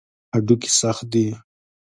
هډوکي سخت دي.